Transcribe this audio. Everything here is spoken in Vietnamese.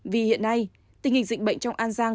vì hiện nay tình hình dịch bệnh trong an giang